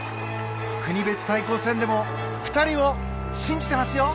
国別対抗戦でも２人を信じてますよ！